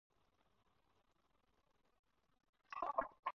د ننګرهار پوهنتون په درنټه کې موقعيت لري.